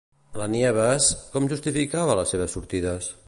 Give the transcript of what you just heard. La Nieves, com justificava les seves sortides?